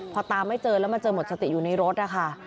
พอตามไม่เจอแล้วมาเจอหมดสติอยู่ในรถนะคะ